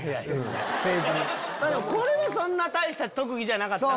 これは大した特技じゃなかった。